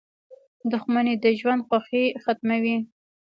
• دښمني د ژوند خوښي ختموي.